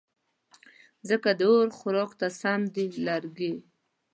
ځکه د اور خوراک ته سم دي لرګې